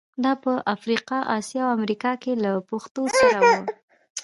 دا په افریقا، اسیا او امریکا کې له پېښو سره وو.